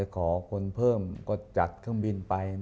อเรนนี่แหละอเรนนี่แหละ